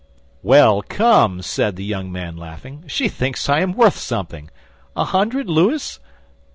"Well, come!" said the young man, laughing, "she thinks I am worth something. A hundred louis?